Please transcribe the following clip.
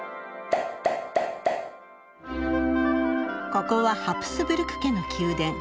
ここはハプスブルク家の宮殿。